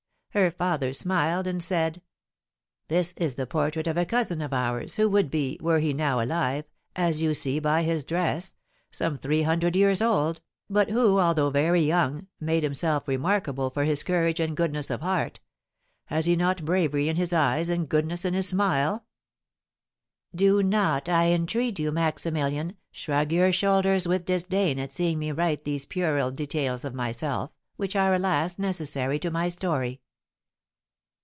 Her father smiled, and said, 'This is the portrait of a cousin of ours, who would be, were he now alive (as you see by his dress), some three hundred years old, but who, although very young, made himself remarkable for his courage and goodness of heart; has he not bravery in his eyes and goodness in his smile?'" Do not, I entreat you, Maximilian, shrug your shoulders with disdain at seeing me write these puerile details of myself, which are, alas, necessary to my story.